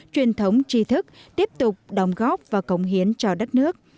truyền thống tri thức tiếp tục đóng góp và cống hiến cho đất nước